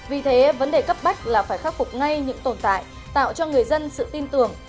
vì thế vấn đề cấp bách là phải khắc phục ngay những tồn tại tạo cho người dân sự tin tưởng